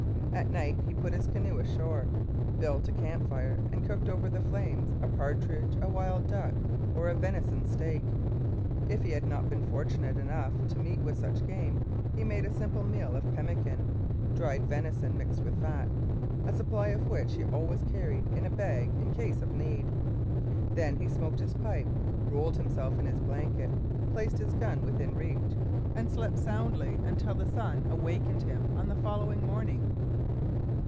At night he pulled his canoe ashore, built a campfire, and cooked over the flames a partridge, a wild duck, or a venison steak. If he had not been fortunate enough to meet with such game, he made a simple meal of pemmican dried venison mixed with fat a supply of which he always carried in a bag in case of need. Then he smoked his pipe, rolled himself in his blanket, placed his gun within reach, and slept soundly until the sun awakened him on the following morning.